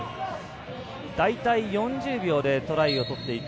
大体４０秒でトライを取っていく。